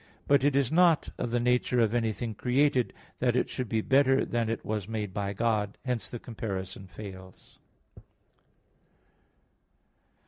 But it is not of the nature of anything created, that it should be better than it was made by God. Hence the comparison fails.